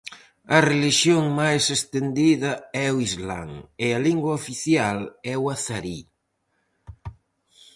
A relixión máis estendida é o Islam e a lingua oficial é o azarí.